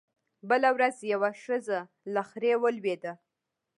بله ورځ يوه ښځه له خرې ولوېده